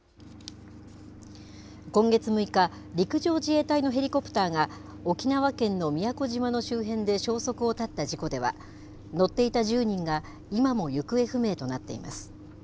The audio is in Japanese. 今月６日、陸上自衛隊のヘリコプターが、沖縄県の宮古島の周辺で消息を絶った事故では、乗っていた１０人が今も行方不明となっています。